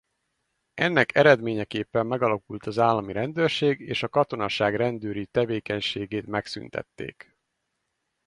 Ennek eredményeképpen megalakult az állami rendőrség és a katonaság rendőri tevékenységét megszüntették.